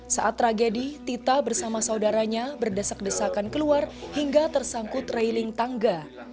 saat tragedi tita bersama saudaranya berdesak desakan keluar hingga tersangkut railing tangga